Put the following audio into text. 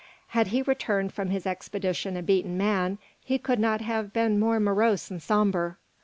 Had he returned from his expedition a beaten man, he could not have been more morose and sombre.